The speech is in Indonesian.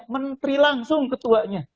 menteri langsung ketuanya